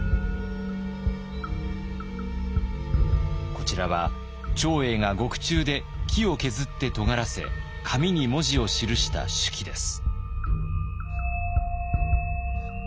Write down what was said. こちらは長英が獄中で木を削ってとがらせ紙に文字を記した手記です。